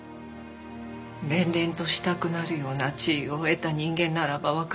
恋々としたくなるような地位を得た人間ならばわかるはずよ。